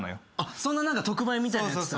そんな特売みたいなのやってた？